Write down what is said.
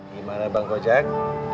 gimana bang kojak